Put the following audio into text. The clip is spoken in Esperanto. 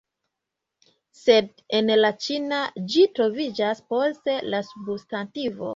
Sed en la ĉina ĝi troviĝas post la substantivo